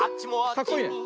かっこいいね。